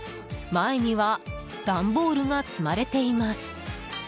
前にはダンボールが積まれています。